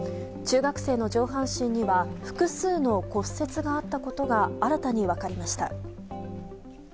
中学生の上半身には複数の骨折があったことが新たに分かりました。